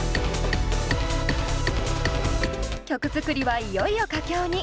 曲作りはいよいよ佳境に。